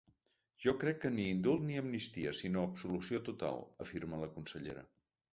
Jo crec que ni indult ni amnistia, sinó absolució total, afirma la consellera.